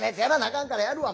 かんからやるわもう。